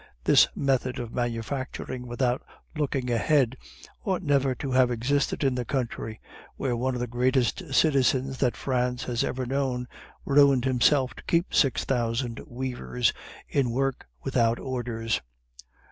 This method of manufacturing without looking ahead ought never to have existed in the country where one of the greatest citizens that France has ever known ruined himself to keep six thousand weavers in work without orders.